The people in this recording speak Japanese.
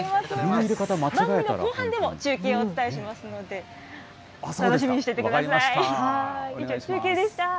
番組の後半でも中継をお伝えしますので、楽しみにしていてください。